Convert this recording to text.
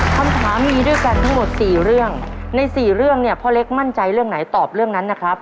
คำถามมีด้วยกันทั้งหมดสี่เรื่องในสี่เรื่องเนี่ยพ่อเล็กมั่นใจเรื่องไหนตอบเรื่องนั้นนะครับ